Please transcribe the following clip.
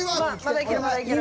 まだいけるまだいける。